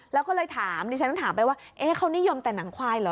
แล้วก็เลยถามดิฉันต้องถามไปว่าเขานิยมแต่หนังควายเหรอ